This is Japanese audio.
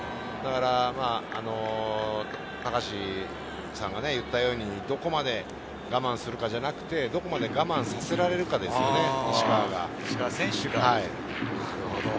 だから高橋さんが言ったように、どこまで我慢するかじゃなくて、どこまで我慢させられるかですね。